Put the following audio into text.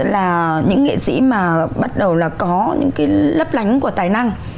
là những nghệ sĩ mà bắt đầu là có những cái lấp lánh của tài năng